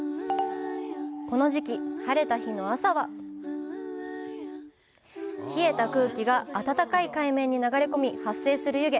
この時期、晴れた日の朝は冷えた空気が暖かい海面に流れ込み発生する湯気